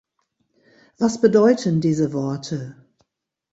Was bedeuten diese Worte?